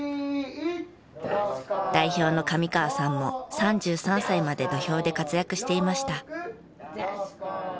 代表の上河さんも３３歳まで土俵で活躍していました。